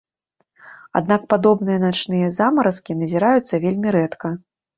Аднак падобныя начныя замаразкі назіраюцца вельмі рэдка.